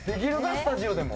スタジオでも。